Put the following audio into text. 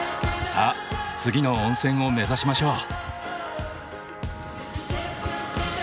さあ次の温泉を目指しましょう。